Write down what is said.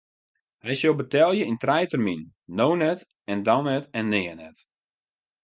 Hy sil betelje yn trije terminen: no net en dan net en nea net.